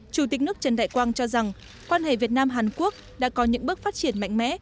chủ tịch nước trần đại quang cho rằng quan hệ việt nam hàn quốc đã có những bước phát triển mạnh mẽ